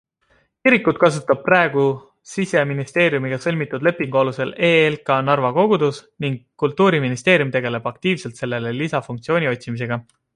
Kirikut kasutab praegu siseministeeriumiga sõlmitud lepingu alusel EELK Narva kogudus ning kultuuriministeerium tegeleb aktiivselt sellele lisafunktsiooni otsimisega.